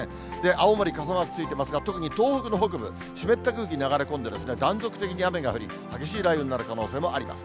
青森、傘マークついていますが、特に東北の北部、湿った空気流れ込んで、断続的に雨が降り、激しい雷雨になる可能性もあります。